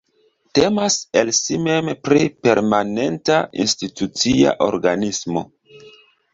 Temas el si mem pri permanenta institucia organismo.